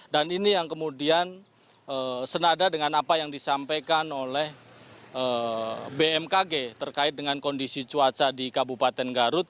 dan ini yang kemudian senada dengan apa yang disampaikan oleh bmkg terkait dengan kondisi cuaca di kabupaten garut